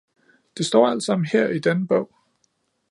Det står alt sammen her i denne bog